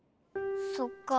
そっか。